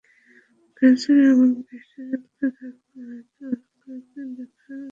আকাশজুড়ে এমন বৃষ্টি চলতে থাকলে হয়তো আরও কয়েক দিন দেখা হবে না।